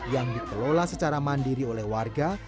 yang dikelola secara mandiri oleh warga